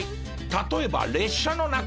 例えば列車の中。